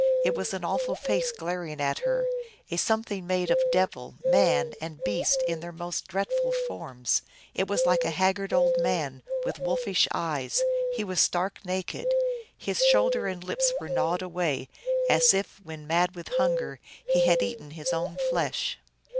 It was an awful face glaring at her, a something made of devil, man, and beast in their most dreadful forms. It was like a haggard old man, with wolfish eyes ; he was stark naked ; his shoulders and lips were gnawed away, as if, when mad with hunger, he had eaten his own flesh.